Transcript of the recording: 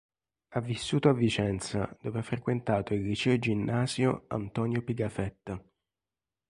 Ha vissuto a Vicenza dove ha frequentato il Liceo ginnasio Antonio Pigafetta.